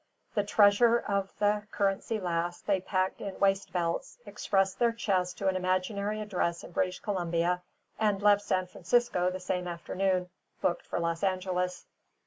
The treasure of the Currency Lass they packed in waist belts, expressed their chests to an imaginary address in British Columbia, and left San Francisco the same afternoon, booked for Los Angeles.